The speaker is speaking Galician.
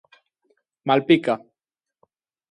Malpica.